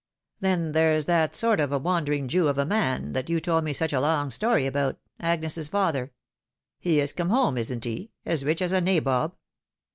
Then there's that sort of a wandering Jew of a man, that you told me such a long story about, Agnes's father ; he is come home, isn't he, as rich as a nabob